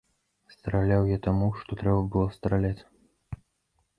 Страляў я таму, што трэба было страляць.